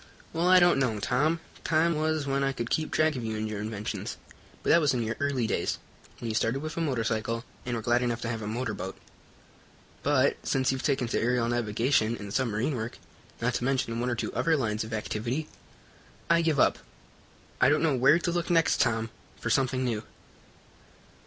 "Well, I don't know, Tom. Time was when I could keep track of you and your inventions, but that was in your early days, when you started with a motorcycle and were glad enough to have a motorboat. But, since you've taken to aerial navigation and submarine work, not to mention one or two other lines of activity, I give up. I don't know where to look next, Tom, for something new."